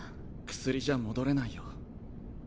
薬じゃ戻れないよ。